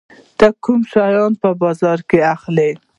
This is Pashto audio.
ته کوم شیان په بازار کې اخلي؟